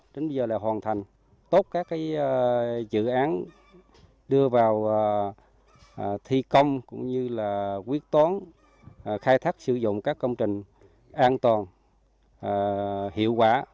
đến bây giờ là hoàn thành tốt các dự án đưa vào thi công cũng như là quyết toán khai thác sử dụng các công trình an toàn hiệu quả